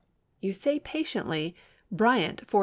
You say patiently, "Bryant 4310."